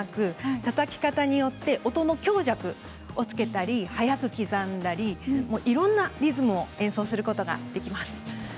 たたき方によって音に強弱をつけたり早く刻んだりいろんなリズムを演奏することができます。